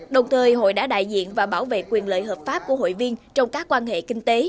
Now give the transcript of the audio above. đồng thời hội đã đại diện và bảo vệ quyền lợi hợp pháp của hội viên trong các quan hệ kinh tế